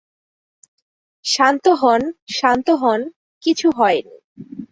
শান্ত হন, শান্ত হন, কিছু হয়নি।